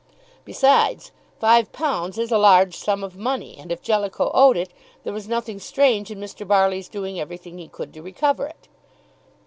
Besides, five pounds is a large sum of money, and if Jellicoe owed it, there was nothing strange in Mr. Barley's doing everything he could to recover it.